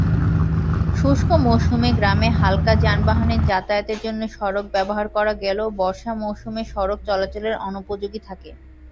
শুষ্ক মৌসুমে গ্রামে হালকা যানবাহনে যাতায়াতের জন্য সড়ক ব্যবহার করা গেলেও, বর্ষা মৌসুমে সড়ক চলাচলের অনুপযোগী থাকে।